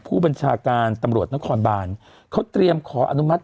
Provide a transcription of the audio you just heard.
ผู้บัญชาการตำรวจนครบานเขาเตรียมขออนุมัติ